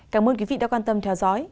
cảm ơn quý vị đã quan tâm theo dõi